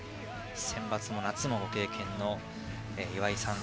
センバツも夏もご経験の岩井さん。